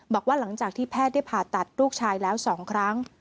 บอกว่าหลังจากที่แพทย์ได้ผ่าตัดลูกชายแล้ว๒ครั้ง